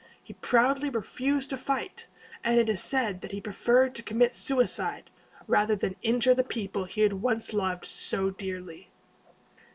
He proudly refused to fight; and it is said that he preferred to commit suicide, rather than injure the people he had once loved so dearly.